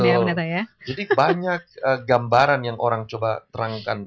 banyak gambaran yang orang coba terangkan